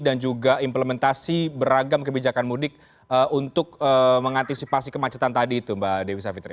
dan juga implementasi beragam kebijakan mudik untuk mengantisipasi kemacetan tadi itu mbak dewi savitri